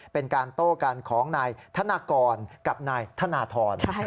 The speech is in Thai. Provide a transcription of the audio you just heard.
เป็นการโต้กันของนายธนากรกับนายธนทร